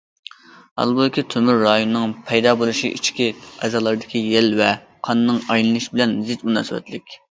ھالبۇكى، تومۇر رايىنىڭ پەيدا بولۇشى ئىچكى ئەزالاردىكى يەل ۋە قاننىڭ ئايلىنىشى بىلەن زىچ مۇناسىۋەتلىك.